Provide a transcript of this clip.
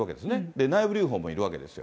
で、内部留保もいるわけですよ。